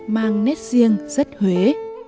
mang nét riêng rất huế